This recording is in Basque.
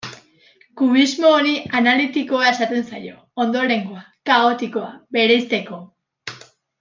Kubismo honi analitikoa esaten zaio, ondorengoa, kaotikoa, bereizteko.